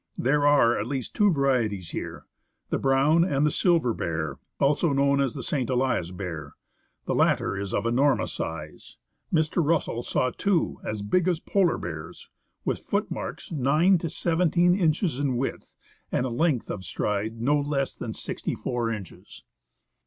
There are, at least, two varieties here — the brown and the silver bear, also known as the St. Elias bear. The latter is of enormous size. Mr. Russell saw two as big as polar bears, with footmarks 9 to 17 inches in width and a length of stride of no less than 64 inches.